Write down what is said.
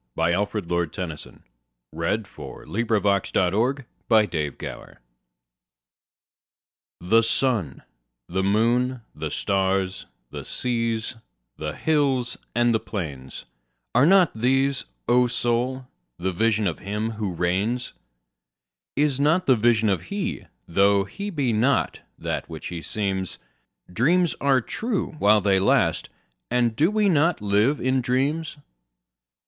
1917. Alfred, Lord Tennyson (1809–1892) 93. The Higher Pantheism THE SUN, the moon, the stars, the seas, the hills and the plains—Are not these, O Soul, the Vision of Him who reigns? Is not the Vision He? tho' He be not that which He seems? Dreams are true while they last, and do we not live in dreams?